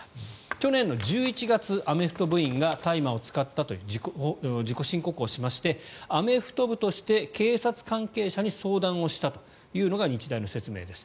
去年の１１月、アメフト部員が大麻を使ったという自己申告をしましてアメフト部として警察関係者に相談をしたというのが日大の説明です。